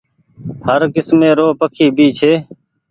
هر ڪسمي رو پکي ڀي ڇي